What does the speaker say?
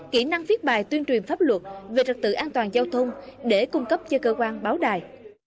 kỹ năng viết bài tuyên truyền pháp luật về trật tự an toàn giao thông để cung cấp cho cơ quan báo đài